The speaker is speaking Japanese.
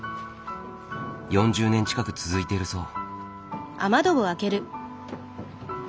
４０年近く続いているそう。